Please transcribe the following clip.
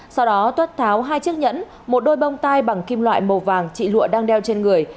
sau đó tuất tháo hai chiếc nhẫn một đôi bông tai bằng kim loại màu vàng chị lụa đang đeo trên người